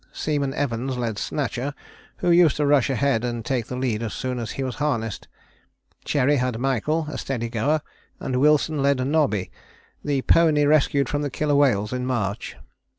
Seaman Evans led Snatcher, who used to rush ahead and take the lead as soon as he was harnessed. Cherry had Michael, a steady goer, and Wilson led Nobby the pony rescued from the killer whales in March.